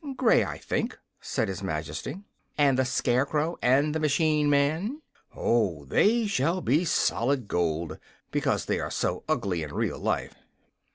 "Gray, I think," said his Majesty. "And the Scarecrow and the machine man?" "Oh, they shall be of solid gold, because they are so ugly in real life."